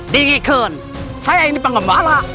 dikikun saya ini pengamalah